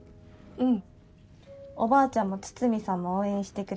うん。